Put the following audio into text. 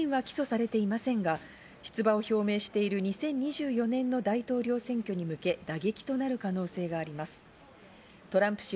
トランプ氏自身は起訴されていませんが、出馬を表明している２０２４年の大統領選挙に向け、打撃となる可能性があります。